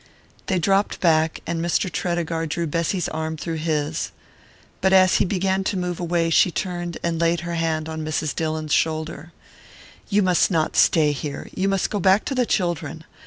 They dropped back, and Mr. Tredegar drew Bessy's arm through his; but as he began to move away she turned and laid her hand on Mrs. Dillon's shoulder. "You must not stay here you must go back to the children.